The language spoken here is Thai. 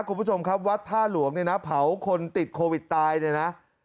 คุณผู้ชมครับวัดท่าหลวงเนี่ยนะเผาคนติดโควิดตายเนี่ยนะ